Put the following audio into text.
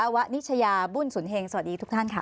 วะนิชยาบุญสุนเฮงสวัสดีทุกท่านค่ะ